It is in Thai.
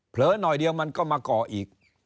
หน่อยเดียวมันก็มาก่ออีก